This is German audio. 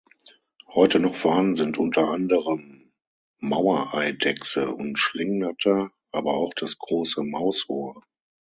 Heute noch vorhanden sind unter anderem Mauereidechse und Schlingnatter, aber auch das Große Mausohr.